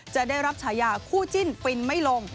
จะได้รับฉายาคู่จิ้นฟินไม่ลง